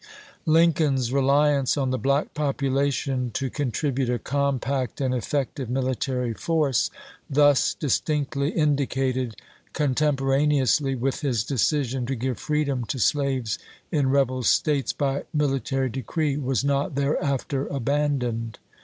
Lincoln's reliance on the black population to con tribute a compact and effective military force, thus distinctly indicated contemporaneously with his decision to give freedom to slaves in rebel States by military decree, was not thereafter aban doned.